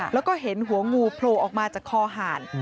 แล้วก็เห็นหัวงูโผล่ออกมาจากคอหาร